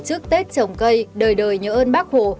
về tổ chức tết trồng cây đời đời nhớ ơn bác hộ